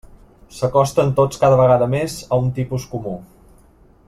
S'acosten tots cada vegada més a un tipus comú.